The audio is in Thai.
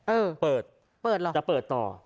เออเปิดจะเปิดต่อ